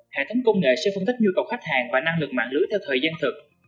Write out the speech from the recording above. hệ thống công nghệ sẽ phân tích nhu cầu khách hàng và năng lực mạng lưới theo thời gian thực